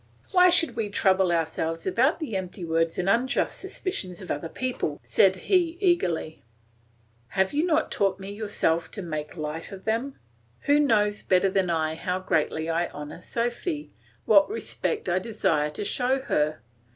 "Why should we trouble ourselves about the empty words and unjust suspicions of other people?" said he eagerly. "Have you not taught me yourself to make light of them? Who knows better than I how greatly I honour Sophy, what respect I desire to show her?